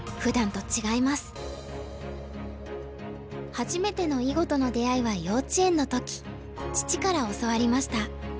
初めての囲碁との出会いは幼稚園の時父から教わりました。